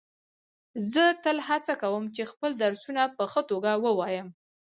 زه تل هڅه کوم چي خپل درسونه په ښه توګه ووایم.